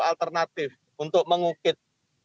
alternatif untuk mengukit